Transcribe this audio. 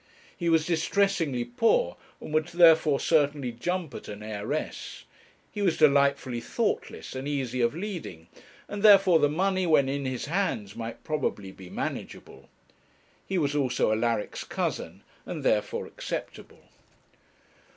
He was distressingly poor, and would therefore certainly jump at an heiress he was delightfully thoughtless and easy of leading, and therefore the money, when in his hands, might probably be manageable. He was also Alaric's cousin, and therefore acceptable.